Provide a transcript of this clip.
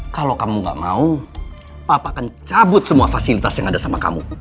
kalau kamu gak mau papa akan cabut semua fasilitas yang ada sama kamu